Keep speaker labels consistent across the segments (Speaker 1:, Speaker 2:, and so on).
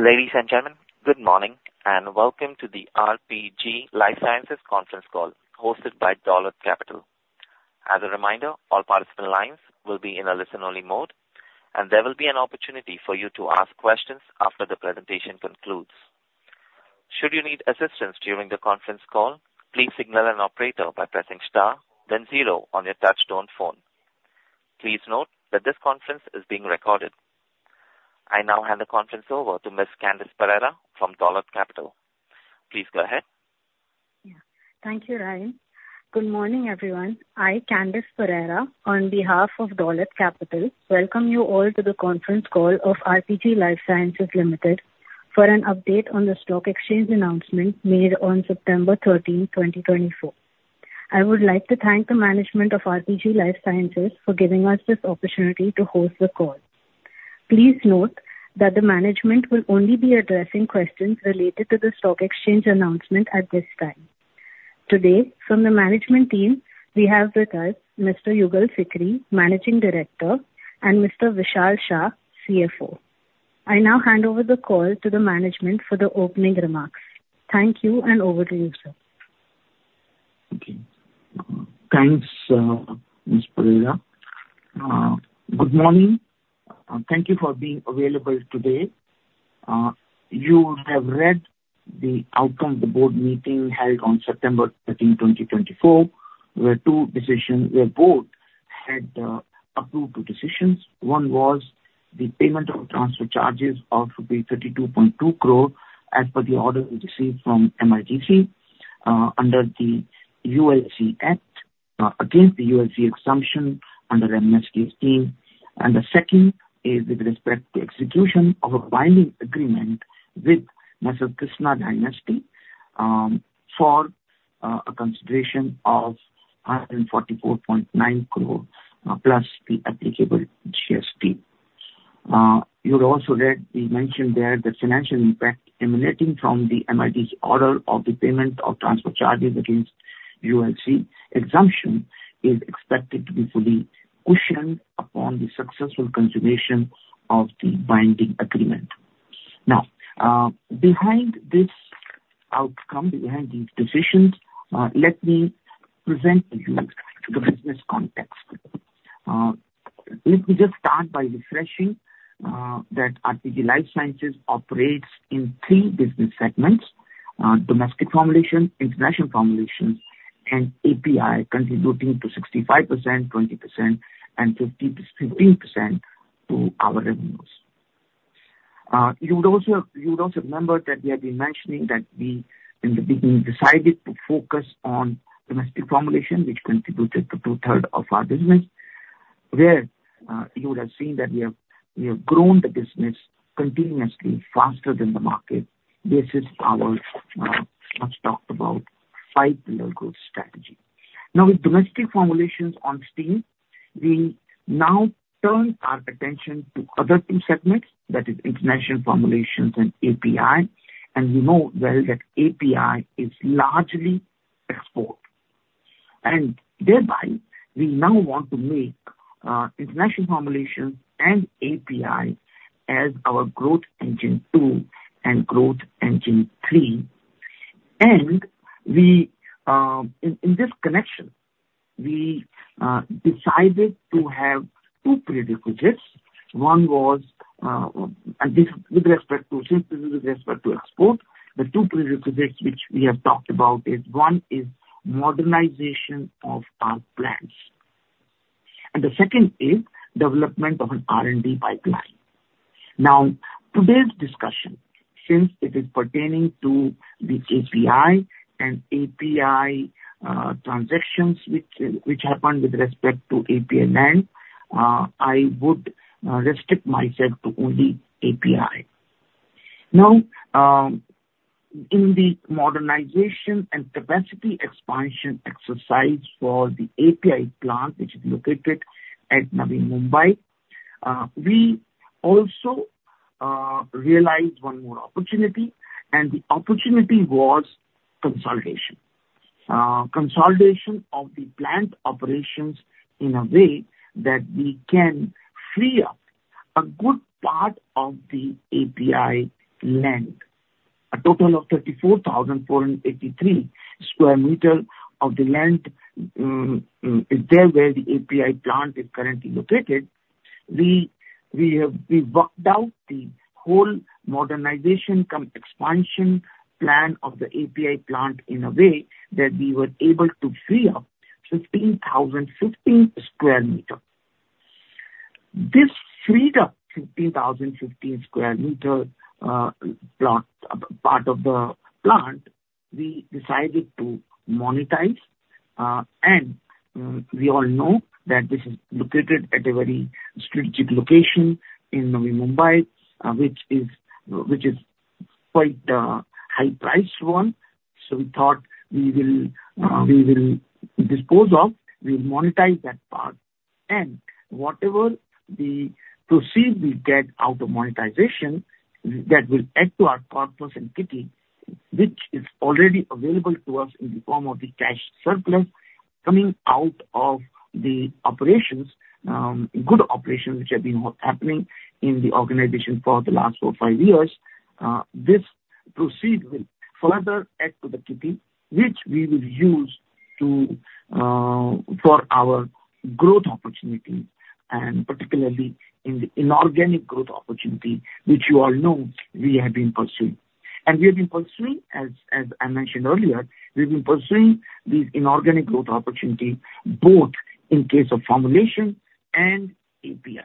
Speaker 1: Ladies and gentlemen, good morning, and welcome to the RPG Life Sciences Conference Call, hosted by Dolat Capital. As a reminder, all participant lines will be in a listen-only mode, and there will be an opportunity for you to ask questions after the presentation concludes. Should you need assistance during the conference call, please signal an operator by pressing star then zero on your touchtone phone. Please note that this conference is being recorded. I now hand the conference over to Ms. Candice Pereira from Dolat Capital. Please go ahead.
Speaker 2: Yeah. Thank you, Ryan. Good morning, everyone. I, Candice Pereira, on behalf of Dolat Capital, welcome you all to the conference call of RPG Life Sciences Limited for an update on the stock exchange announcement made on September 13th, 2024. I would like to thank the management of RPG Life Sciences for giving us this opportunity to host the call. Please note that the management will only be addressing questions related to the stock exchange announcement at this time. Today, from the management team, we have with us Mr. Yugal Sikri, Managing Director, and Mr. Vishal Shah, CFO. I now hand over the call to the management for the opening remarks. Thank you, and over to you, sir.
Speaker 3: Okay. Thanks, Ms. Pereira. Good morning. Thank you for being available today. You would have read the outcome of the board meeting held on September 13, 2024, where board had approved two decisions. One was the payment of transfer charges of rupees 32.2 crore, as per the order we received from MIDC, under the ULC Act, against the ULC exemption under amnesty scheme. And the second is with respect to execution of a binding agreement with M/s. Krsna Dynasty, for a consideration of 144.9 crore, plus the applicable GST. You would also read the mention there, the financial impact emanating from the MIDC order of the payment of transfer charges against ULC exemption is expected to be fully cushioned upon the successful consummation of the binding agreement. Now, behind this outcome, behind these decisions, let me present to you the business context. Let me just start by refreshing that RPG Life Sciences operates in three business segments: domestic formulation, international formulation, and API, contributing to 65%, 20%, and 15% to our revenues. You would also remember that we, in the beginning, decided to focus on domestic formulation, which contributed to two-thirds of our business, where you would have seen that we have grown the business continuously faster than the market. This is our much talked about five-pillar growth strategy. Now, with domestic formulations on stream, we now turn our attention to other two segments, that is international formulations and API. We know well that API is largely export, and thereby we now want to make international formulations and API as our growth engine two and growth engine three. In this connection, we decided to have two prerequisites. One was with respect to, simply with respect to export. The two prerequisites which we have talked about is, one is modernization of our plants, and the second is development of an R&D pipeline. Now, today's discussion, since it is pertaining to the API transactions which happened with respect to API land, I would restrict myself to only API. Now, in the modernization and capacity expansion exercise for the API plant, which is located at Navi Mumbai, we also realized one more opportunity, and the opportunity was consolidation. Consolidation of the plant operations in a way that we can free up a good part of the API land, a total of 34,483 sq m of the land, is where the API plant is currently located. We worked out the whole modernization cum expansion plan of the API plant in a way that we were able to free up 15,015 sq m. This freed up 15,015 sq m plot, part of the plant, we decided to monetize. We all know that this is located at a very strategic location in Navi Mumbai, which is quite high-priced one. So we thought we will, we will dispose of, we will monetize that part, and whatever the proceeds we get out of monetization, that will add to our surplus entity, which is already available to us in the form of the cash surplus coming out of the operations, good operations, which have been happening in the organization for the last four, five years. This proceeds will further add to the kitty, which we will use for our growth opportunity, and particularly in the inorganic growth opportunity, which you all know we have been pursuing. And we have been pursuing, as I mentioned earlier, we've been pursuing these inorganic growth opportunity, both in case of formulation and API.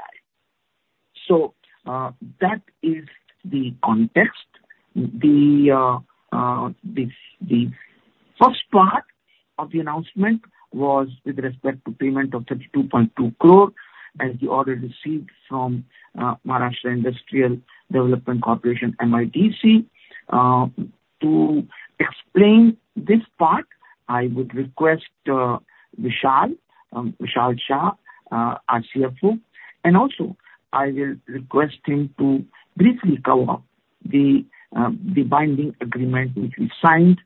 Speaker 3: So that is the context. The first part of the announcement was with respect to payment of 32.2 crore, as you already received from Maharashtra Industrial Development Corporation, MIDC. To explain this part, I would request Vishal, Vishal Shah, our CFO, and also I will request him to briefly cover the binding agreement which we signed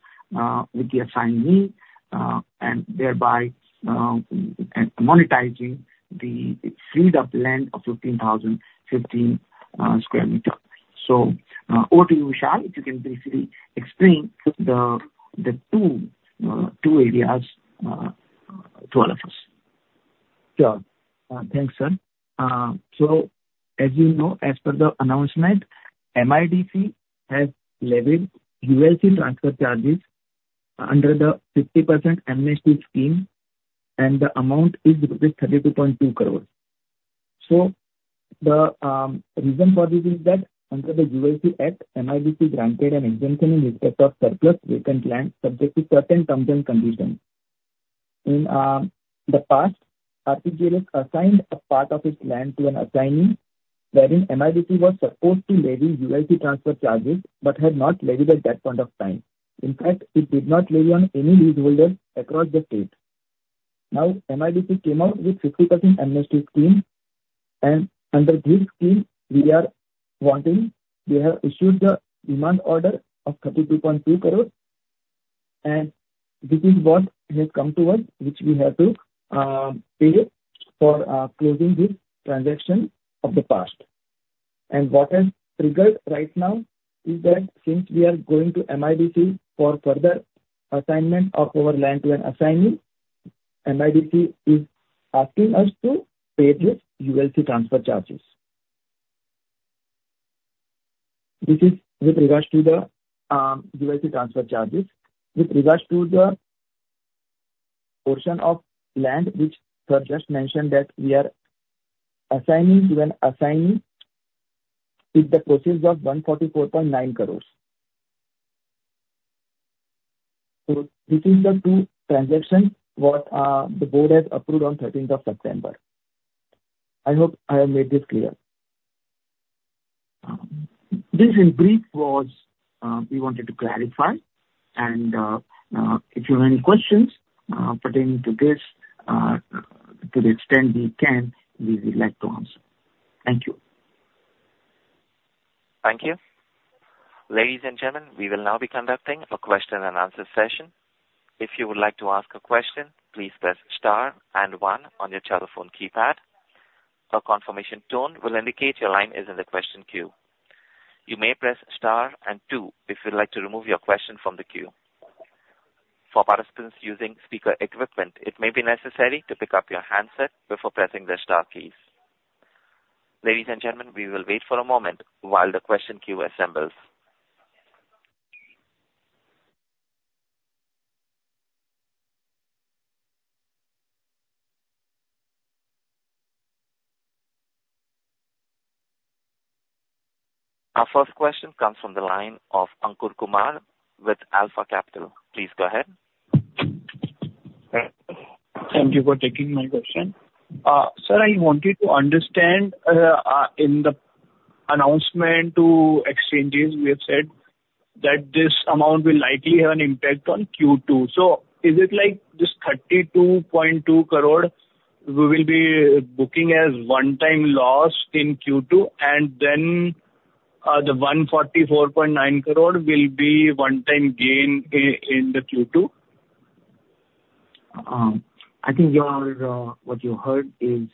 Speaker 3: with the assignee, and thereby monetizing the freed up land of 15,015 square meters. So, over to you, Vishal. If you can briefly explain the two areas to all of us.
Speaker 4: Sure. Thanks, sir. So as you know, as per the announcement, MIDC has levied ULC transfer charges under the 50% amnesty scheme, and the amount is 32.2 crores. So the reason for this is that under the ULC Act, MIDC granted an exemption in respect of surplus vacant land, subject to certain terms and conditions. In the past, RPG Life Sciences assigned a part of its land to an assignee, wherein MIDC was supposed to levy ULC transfer charges, but had not levied at that point of time. In fact, it did not levy on any leaseholder across the state. Now, MIDC came out with 50% amnesty scheme, and under this scheme, we are wanting... We have issued the demand order of 32.2 crores, and this is what has come to us, which we have to pay for closing this transaction of the past. And what has triggered right now is that since we are going to MIDC for further assignment of our land to an assignee, MIDC is asking us to pay this ULC transfer charges. This is with regards to the ULC transfer charges. With regards to the portion of land, which sir just mentioned, that we are assigning to an assignee is the proceeds of INR 144.9 crores. So these are the two transactions what the board has approved on 13th of September. I hope I have made this clear. This in brief was, we wanted to clarify, and, if you have any questions pertaining to this, to the extent we can, we would like to answer. Thank you.
Speaker 1: Thank you. Ladies and gentlemen, we will now be conducting a question-and-answer session. If you would like to ask a question, please press star and one on your telephone keypad. A confirmation tone will indicate your line is in the question queue. You may press star and two if you'd like to remove your question from the queue. For participants using speaker equipment, it may be necessary to pick up your handset before pressing the star keys. Ladies and gentlemen, we will wait for a moment while the question queue assembles. Our first question comes from the line of Ankur Kumar with Alpha Capital. Please go ahead.
Speaker 5: Thank you for taking my question. Sir, I wanted to understand, in the announcement to exchanges, we have said that this amount will likely have an impact on Q2. So is it like this 32.2 crore, we will be booking as one-time loss in Q2, and then, the 144.9 crore will be one time gain in the Q2?
Speaker 3: I think what you heard is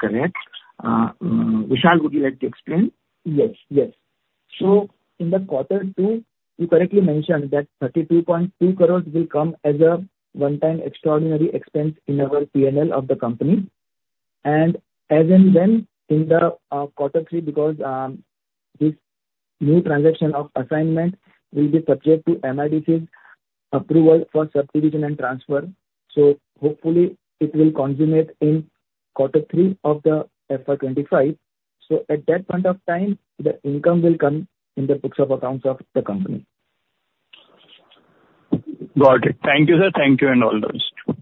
Speaker 3: correct. Vishal, would you like to explain?
Speaker 4: Yes. Yes. So in the quarter two, you correctly mentioned that 32.2 crores will come as a one-time extraordinary expense in our P&L of the company. And as in then, in the, quarter three, because, this new transaction of assignment will be subject to MIDC's approval for subdivision and transfer. So hopefully it will consummate in quarter three of the FY 2025. So at that point of time, the income will come in the books of accounts of the company.
Speaker 5: Got it. Thank you, sir. Thank you and all those.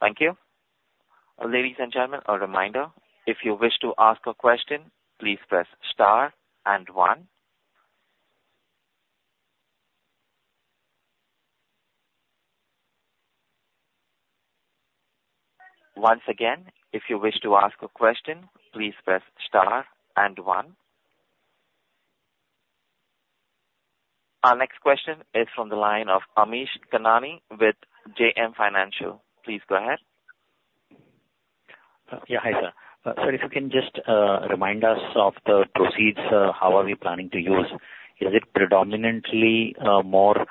Speaker 1: Thank you. Ladies and gentlemen, a reminder, if you wish to ask a question, please press star and one… Once again, if you wish to ask a question, please press star and one. Our next question is from the line of Amish Kanani with JM Financial. Please go ahead.
Speaker 6: Yeah. Hi, sir. Sir, if you can just remind us of the proceeds, how are we planning to use? Is it predominantly more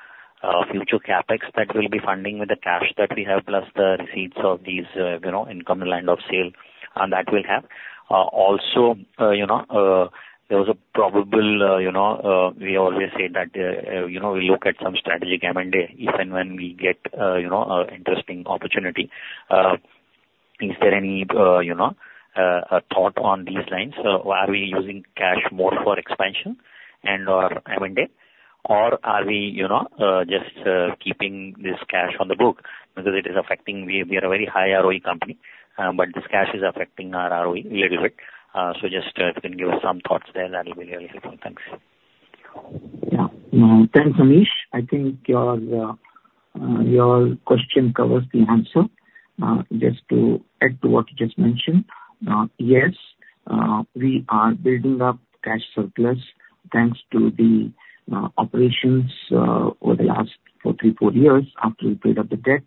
Speaker 6: future CapEx that we'll be funding with the cash that we have, plus the receipts of these, you know, income land of sale, and that will have? Also, you know, there was a probable, you know, we always say that, you know, we look at some strategic M&A, if and when we get, you know, an interesting opportunity. Is there any, you know, a thought on these lines? Are we using cash more for expansion and/or M&A, or are we, you know, just keeping this cash on the books because it is affecting, we are a very high ROE company, but this cash is affecting our ROE a little bit, so just if you can give some thoughts there, that'll be really helpful. Thanks.
Speaker 3: Yeah. Thanks, Amish. I think your question covers the answer. Just to add to what you just mentioned, yes, we are building up cash surplus thanks to the operations over the last four, three, four years after we paid up the debt.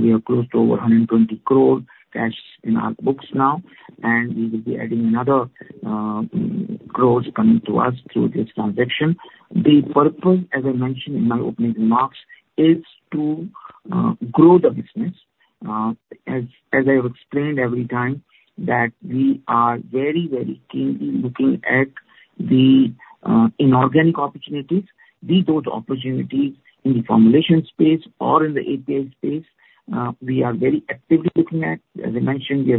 Speaker 3: We are close to over 120 crore cash in our books now, and we will be adding another crores coming to us through this transaction. The purpose, as I mentioned in my opening remarks, is to grow the business. As I have explained every time, that we are very, very keenly looking at the inorganic opportunities. Be those opportunities in the formulation space or in the API space, we are very actively looking at. As I mentioned, we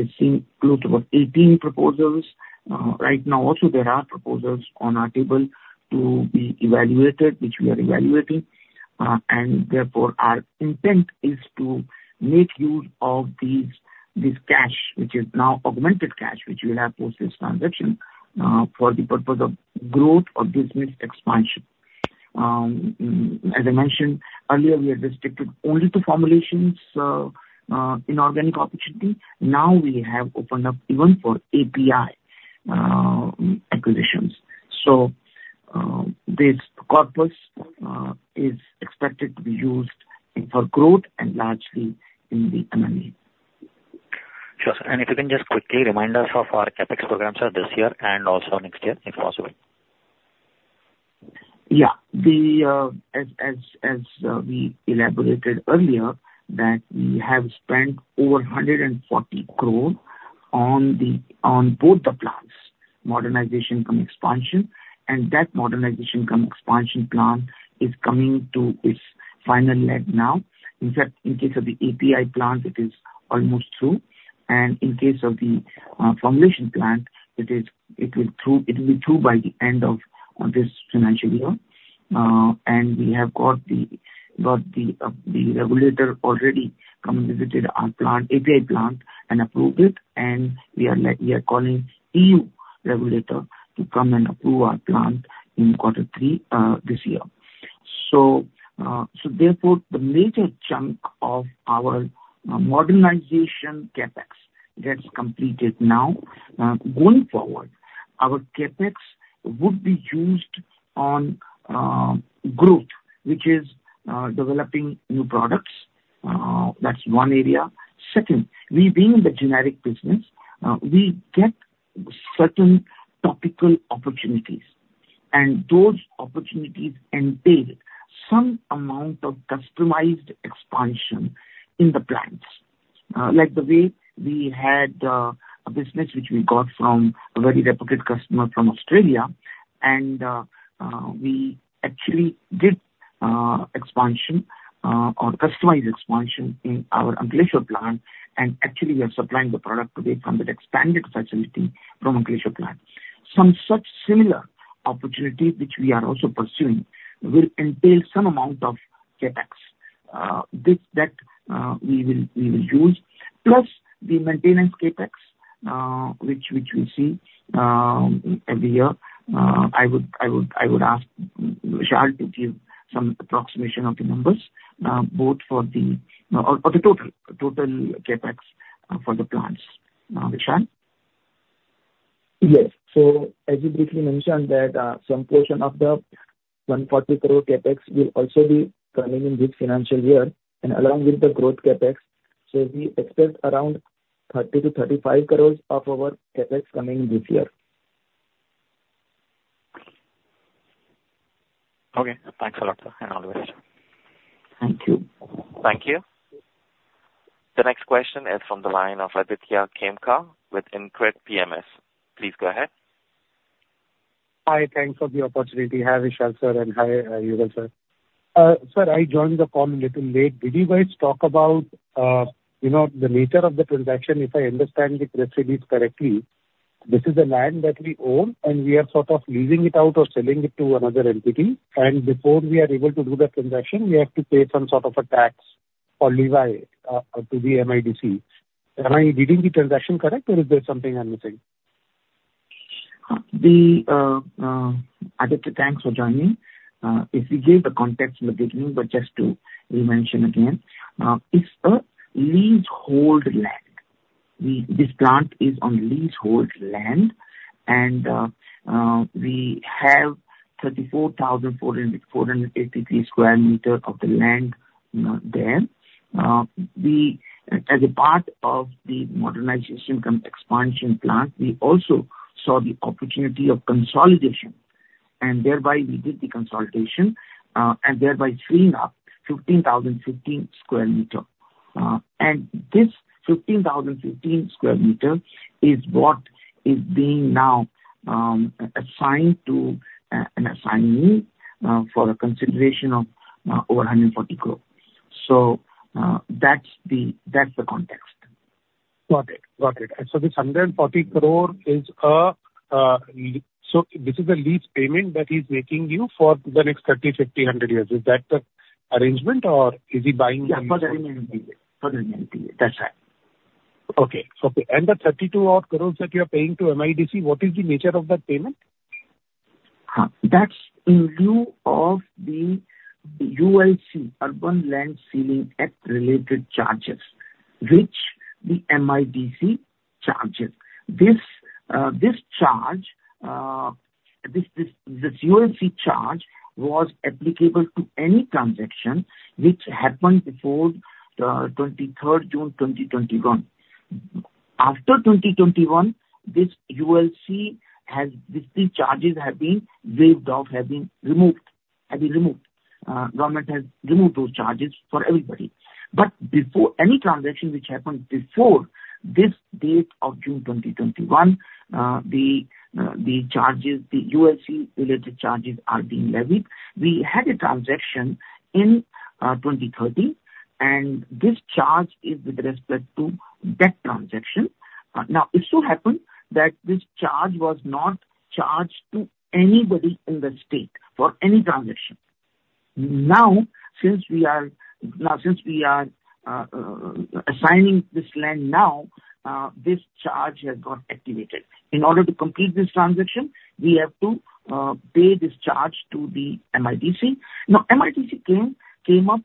Speaker 3: have seen close to about 18 proposals. Right now, also there are proposals on our table to be evaluated, which we are evaluating, and therefore, our intent is to make use of these, this cash, which is now augmented cash, which we will have post this transaction, for the purpose of growth or business expansion. As I mentioned earlier, we are restricted only to formulations, inorganic opportunity. Now, we have opened up even for API acquisitions, so this corpus is expected to be used in, for growth and largely in the M&A.
Speaker 6: Sure, sir. And if you can just quickly remind us of our CapEx programs for this year and also next year, if possible.
Speaker 3: Yeah. The, as we elaborated earlier, that we have spent over 140 crore on both the plants, modernization cum expansion, and that modernization cum expansion plant is coming to its final leg now. In fact, in case of the API plant, it is almost through, and in case of the formulation plant, it will be through by the end of this financial year. And we have got the regulator already come and visited our API plant and approved it, and we are calling EU regulator to come and approve our plant in quarter three this year. So therefore, the major chunk of our modernization CapEx gets completed now. Going forward, our CapEx would be used on growth, which is developing new products. That's one area. Second, we being in the generic business, we get certain topical opportunities, and those opportunities entail some amount of customized expansion in the plants. Like the way we had a business which we got from a very reputable customer from Australia, and we actually did expansion or customized expansion in our Ankleshwar plant, and actually we are supplying the product today from the expanded facility from Ankleshwar plant. Some such similar opportunity, which we are also pursuing, will entail some amount of CapEx. This, that we will use, plus the maintenance CapEx, which we see every year. I would ask Vishal to give some approximation of the numbers, both for the... or the total CapEx for the plants. Vishal?
Speaker 4: Yes. So as you briefly mentioned, that, some portion of the 140 crore CapEx will also be coming in this financial year, and along with the growth CapEx, so we expect around 30-35 crore of our CapEx coming this year.
Speaker 6: Okay, thanks a lot, sir, and all the best.
Speaker 3: Thank you.
Speaker 1: Thank you. The next question is from the line of Aditya Khemka with InCred PMS. Please go ahead.
Speaker 7: Hi, thanks for the opportunity. Hi, Vishal sir, and hi, Yugal sir. Sir, I joined the call a little late. Did you guys talk about, you know, the nature of the transaction, if I understand the press release correctly, this is the land that we own, and we are sort of leasing it out or selling it to another entity, and before we are able to do the transaction, we have to pay some sort of a tax or levy, to the MIDC. Am I reading the transaction correct, or is there something I'm missing? ...
Speaker 3: We, Aditya, thanks for joining. If we gave the context in the beginning, but just to remention again, it's a leasehold land. This plant is on leasehold land, and we have 34,483 square meters of the land there. We, as a part of the modernization cum expansion plant, also saw the opportunity of consolidation, and thereby we did the consolidation, and thereby freeing up 15,015 square meters. And this 15,015 square meters is what is being now assigned to an assignee for a consideration of over 140 crore. So, that's the context.
Speaker 7: Got it. Got it. So this 140 crore is, So this is a lease payment that he's making you for the next thirty, fifty, hundred years. Is that the arrangement, or is he buying?
Speaker 3: Yeah, for the ninety years. For the ninety years. That's right.
Speaker 7: Okay. And the 32-odd crores that you're paying to MIDC, what is the nature of that payment?
Speaker 3: That's in lieu of the ULC, Urban Land Ceiling Act related charges, which the MIDC charges. This charge was applicable to any transaction which happened before the 23rd June, 2021. After 2021, these charges have been waived off, have been removed. Government has removed those charges for everybody. But before any transaction which happened before this date of June 2021, the charges, the ULC related charges are being levied. We had a transaction in 2013, and this charge is with respect to that transaction. Now, it so happened that this charge was not charged to anybody in the state for any transaction. Now, since we are assigning this land now, this charge has got activated. In order to complete this transaction, we have to pay this charge to the MIDC. Now, MIDC came up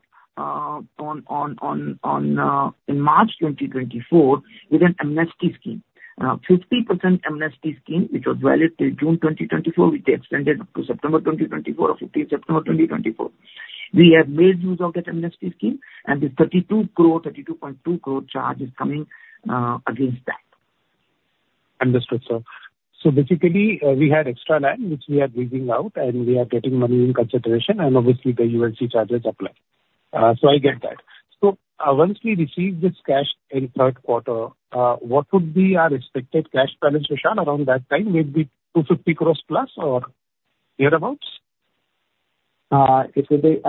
Speaker 3: in March 2024 with an amnesty scheme. 50% amnesty scheme, which was valid till June 2024, which they extended up to September 2024, 15th September 2024. We have made use of that amnesty scheme, and the 32 crore, 32.2 crore charge is coming against that.
Speaker 7: Understood, sir. So basically, we had extra land which we are giving out, and we are getting money in consideration, and obviously the ULC charges apply. So I get that. So, once we receive this cash in third quarter, what would be our expected cash balance, roughly, around that time? Maybe 250 crores plus or thereabouts?
Speaker 4: It will be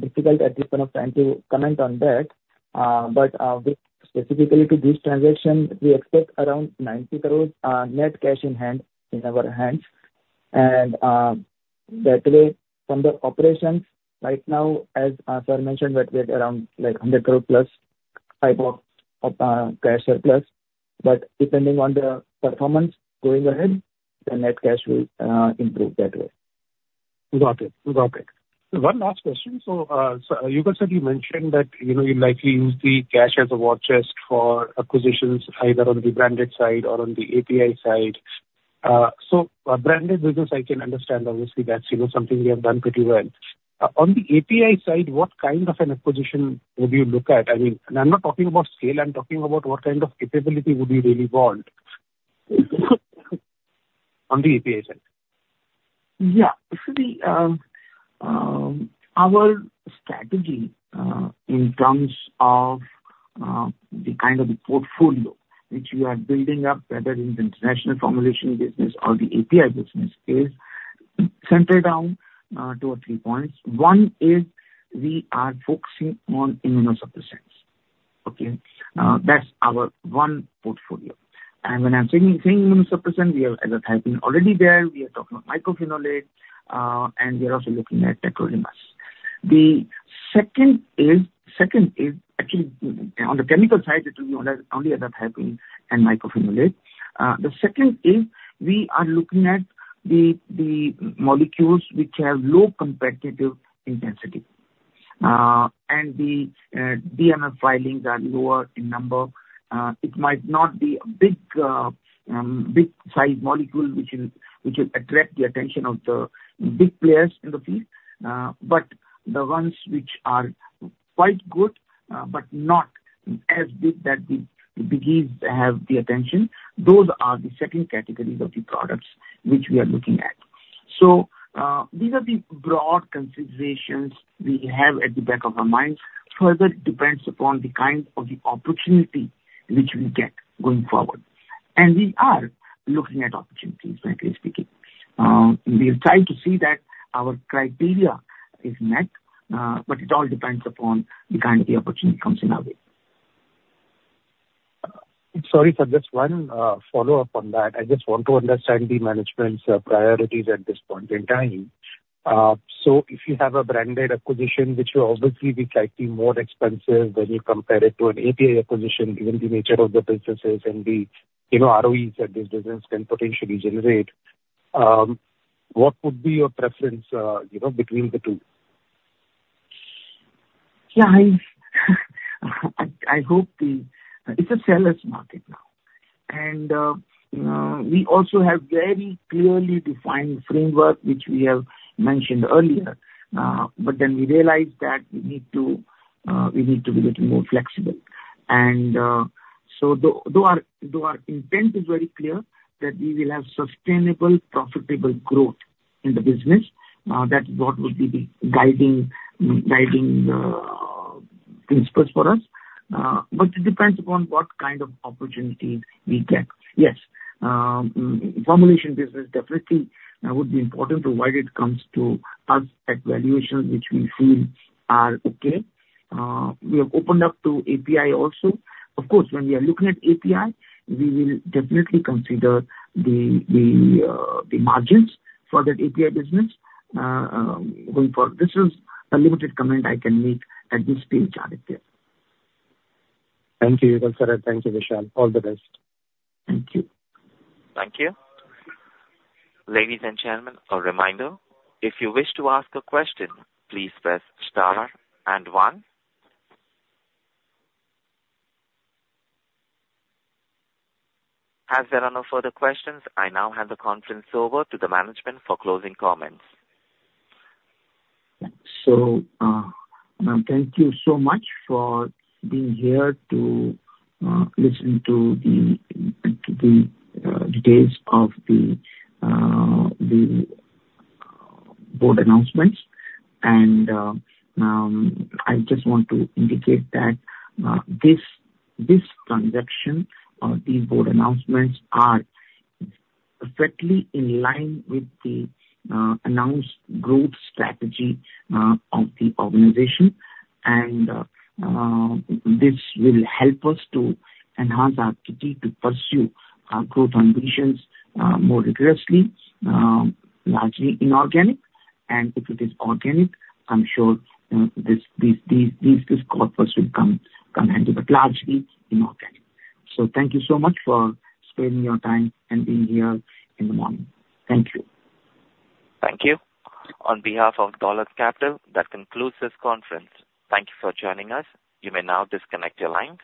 Speaker 4: difficult at this point of time to comment on that. But with specifically to this transaction, we expect around 90 crore net cash in hand, in our hands. And that way, from the operations right now, as sir mentioned, that we have around, like, 100 crore plus, type of cash surplus. But depending on the performance going ahead, the net cash will improve that way.
Speaker 7: Got it. Got it. One last question. So, you guys have mentioned that, you know, you likely use the cash as a war chest for acquisitions, either on the branded side or on the API side. So, branded business, I can understand. Obviously, that's, you know, something we have done pretty well. On the API side, what kind of an acquisition would you look at? I mean, and I'm not talking about scale, I'm talking about what kind of capability would you really want on the API side?
Speaker 3: Yeah. So the, our strategy, in terms of, the kind of the portfolio which we are building up, whether in the international formulation business or the API business, is centered around, two or three points. One is we are focusing on immunosuppressants. Okay? That's our one portfolio. And when I'm saying immunosuppressant, we have azathioprine already there, we are talking about mycophenolate, and we are also looking at tacrolimus. The second is actually, on the chemical side, it will be only azathioprine and mycophenolate. The second is we are looking at the molecules which have low competitive intensity. And the DMF filings are lower in number. It might not be a big, big-size molecule, which will attract the attention of the big players in the field, but the ones which are quite good, but not as big that the biggies have the attention, those are the second categories of the products which we are looking at. These are the broad considerations we have at the back of our minds. Further, it depends upon the kind of the opportunity which we get going forward, and we are looking at opportunities, frankly speaking. We're trying to see that our criteria is met, but it all depends upon the kind of the opportunity comes in our way.
Speaker 7: Sorry, sir, just one follow-up on that. I just want to understand the management's priorities at this point in time.... So if you have a branded acquisition, which will obviously be slightly more expensive when you compare it to an API acquisition, given the nature of the businesses and the, you know, ROEs that this business can potentially generate, what would be your preference, you know, between the two?
Speaker 3: Yeah, I hope it's a seller's market now. And we also have very clearly defined framework, which we have mentioned earlier. But then we realized that we need to be a little more flexible. And though our intent is very clear, that we will have sustainable, profitable growth in the business, that's what will be the guiding principles for us. But it depends upon what kind of opportunities we get. Yes, formulation business definitely would be important, provided it comes to us at valuations which we feel are okay. We have opened up to API also. Of course, when we are looking at API, we will definitely consider the margins for that API business. We for... This is a limited comment I can make at this stage, Aditya.
Speaker 7: Thank you, Yugal Sikri. Thank you, Vishal. All the best.
Speaker 3: Thank you.
Speaker 1: Thank you. Ladies and gentlemen, a reminder, if you wish to ask a question, please press star and one. As there are no further questions, I now hand the conference over to the management for closing comments.
Speaker 3: So, thank you so much for being here to listen to the details of the board announcements. And I just want to indicate that this transaction, these board announcements are perfectly in line with the announced growth strategy of the organization. And this will help us to enhance our ability to pursue our growth ambitions more vigorously, largely inorganic. And if it is organic, I'm sure this corpus will come handy, but largely inorganic. So thank you so much for spending your time and being here in the morning. Thank you.
Speaker 1: Thank you. On behalf of Dolat Capital, that concludes this conference. Thank you for joining us. You may now disconnect your line.